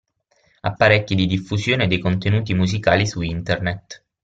Apparecchi di diffusione dei contenuti musicali su Internet.